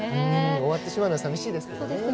終わってしまうのが寂しいですけどね。